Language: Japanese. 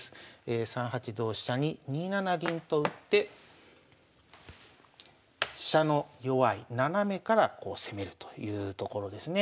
３八同飛車に２七銀と打って飛車の弱い斜めからこう攻めるというところですね。